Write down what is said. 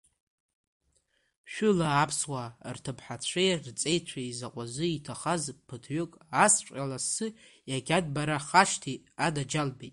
Шәҩыла аԥсуаа рҭыԥҳацәеи рҵеицәеи изакәазы иҭахаз, ԥыҭҩык асҵәҟьа лассы иагьанбархашҭи, анаџьалбеит!